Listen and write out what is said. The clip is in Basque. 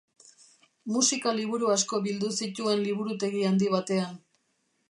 Musika-liburu asko bildu zituen liburutegi handi batean.